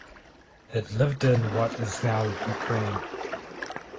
It lived in what is now Ukraine.